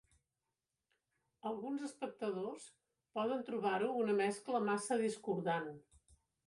Alguns espectadors poden trobar-ho una mescla massa discordant.